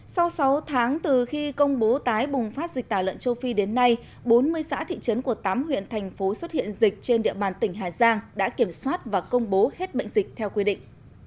sau sáu tháng từ khi công bố tái bùng phát dịch tả lợn châu phi đến nay bốn mươi xã thị trấn của tám huyện thành phố xuất hiện dịch trên địa bàn tỉnh hà giang đã kiểm soát và công bố hết bệnh dịch theo quy định